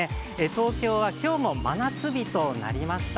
東京は今日も真夏日となりました。